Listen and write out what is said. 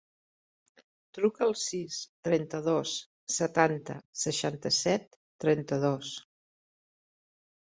Truca al sis, trenta-dos, setanta, seixanta-set, trenta-dos.